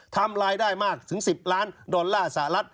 ทำรายได้มากถึง๑๐ล้านดอลลาร์สหรัฐ